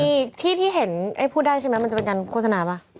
ที่ที่เห็นพูดได้ใช่ไหมมันจะเป็นการโฆษณาป่ะ